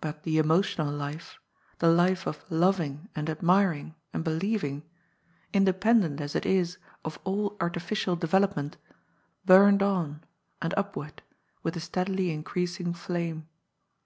But the emotional life, the life of loving and admiring and believing, independent, as it is, of all artificial development, burned on — ^and upward — with a steadily increasing flame.